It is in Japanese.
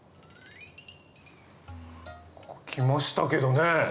書きましたけどね。